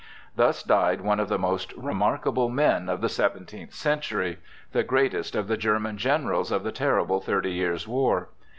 Thus died one of the most remarkable men of the seventeenth century,—the greatest of the German generals of the terrible Thirty Years' War.